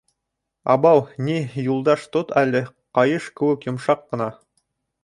— Абау, ни, Юлдаш, тот әле, ҡайыш кеүек йомшаҡ ҡына!